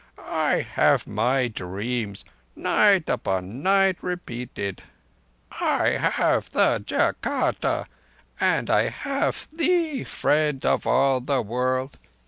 I have my dreams, night upon night repeated; I have Jâtaka; and I have thee, Friend of all the World.